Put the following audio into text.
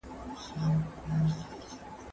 خپل یې کلی او دېره، خپله حجره وه